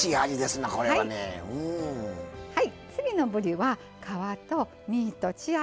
はい。